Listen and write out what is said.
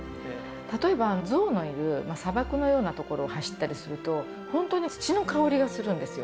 例えば象のいる砂漠のような所を走ったりすると、本当に土の香りがするんですよ。